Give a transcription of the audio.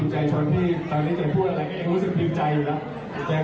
ทั้งที่เป็นนักงานธรรมดรีหลายครั้ง